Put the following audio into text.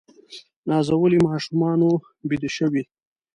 نازولي ماشومان وه بیده شوي